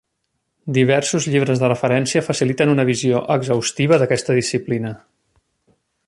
Diversos llibres de referència faciliten una visió exhaustiva d'aquesta disciplina.